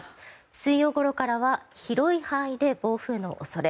水曜ごろからは広い範囲で暴風の恐れ。